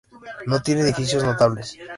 No tiene edificios notables.